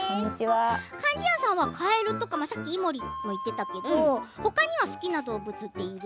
貫地谷さんは、カエルとかさっきイモリも言っていたけど他には好きな動物っている？